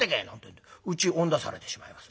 んでうち追ん出されてしまいます。